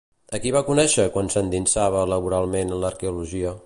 A qui va conèixer quan s'endinsava laboralment en l'arqueologia?